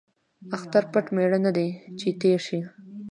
ـ اختر پټ ميړه نه دى ،چې تېر شي.